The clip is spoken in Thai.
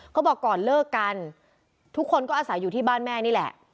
บอกก่อนเลิกกันทุกคนก็อาศัยอยู่ที่บ้านแม่นี่แหละ